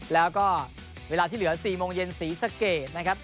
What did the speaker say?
แล้วก็เวลาที่เหลือ๔โมงเย็นศรีสะเกดนะครับ